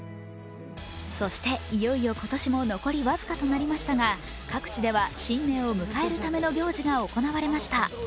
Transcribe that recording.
そしていよいよ今年も残り僅かとなりましたが各地では新年を迎えるための行事が行われました。